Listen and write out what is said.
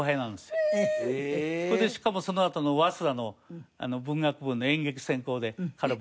それでしかもそのあとの早稲田の文学部の演劇専攻で彼も。